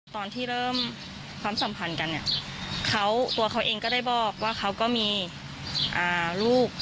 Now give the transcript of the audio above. ตอนที่เริ่มความสัมพันธ์กันเนี่ยเขาตัวเขาเองก็ได้บอกว่าเขาก็มีลูก